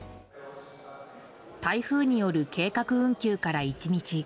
台風による計画運休から１日